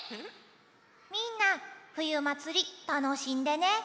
みんなふゆまつりたのしんでね！